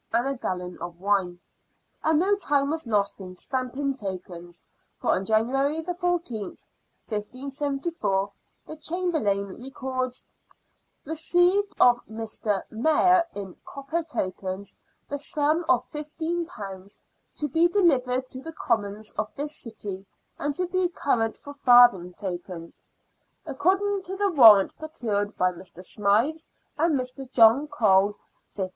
and a gallon of wine.) And no time was lost in stamping tokens, for on January 14th, 1578, the Chamberlain records :—" Received of Mr. Mayor in copper tokens the sum of £15, to be delivered to the commons of this city and to be current for farthing tokens ... according to the warrant procured by Mr. Smythes and Mr. John Cole, £15."